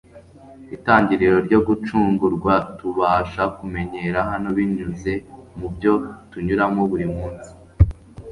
Itangiriro ryo gucungurwa tubasha kumenyera hano binyuze mu byo tunyuramo buri munsi.